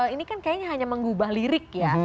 ini kan kayaknya hanya mengubah lirik ya